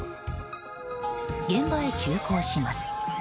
現場へ急行します。